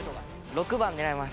６番狙います。